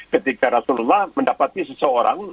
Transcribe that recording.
ketika rasulullah mendapati seseorang